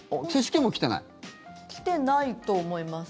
来てないと思います。